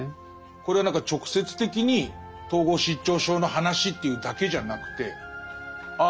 これは何か直接的に統合失調症の話というだけじゃなくてああ